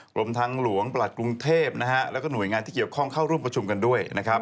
กรมทางหลวงประหลัดกรุงเทพนะฮะแล้วก็หน่วยงานที่เกี่ยวข้องเข้าร่วมประชุมกันด้วยนะครับ